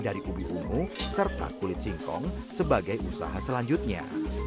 dari ubi ungu serta kulit singkong sebagai usaha selanjutnya